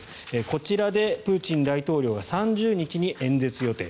こちらでプーチン大統領は３０日に演説予定。